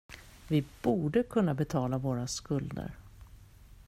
Vi borde kunna betala våra skulder.